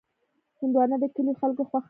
هندوانه د کلیو خلکو خوښه ده.